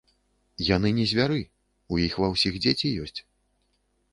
Яны не звяры, у іх ва ўсіх дзеці ёсць.